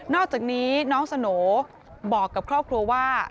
อกจากนี้น้องสโหน่บอกกับครอบครัวว่า